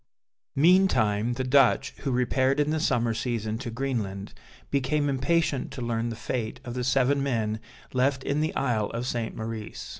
Meantime the Dutch, who repaired in the summer season to Greenland, became impatient to learn the fate of the seven men left in the Isle of St. Maurice.